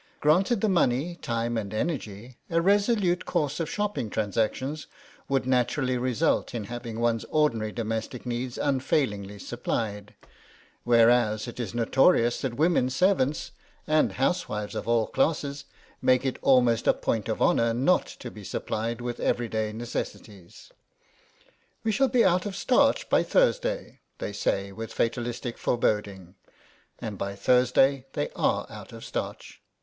Granted the money, time, and energy, a resolute course of shopping transactions would naturally result in having one's ordinary domestic needs unfailingly supplied, whereas it is notorious that women servants (and house wives of all classes) make it almost a point of honour not to be supplied with everyday necessities. "We shall be out of starch by Thursday," they say with fatalistic fore boding, and by Thursday they are out of starch.